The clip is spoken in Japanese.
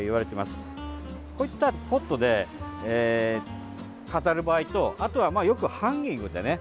こういったポットで飾る場合とあとは、よくハンギングでね